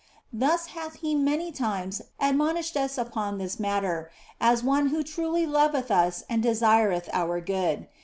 Thus hath He many times admonished us upon this matter, as one who truly loveth us and desireth our good.